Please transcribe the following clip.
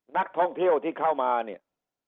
นักท่องเที่ยวที่เข้ามาเนี่ย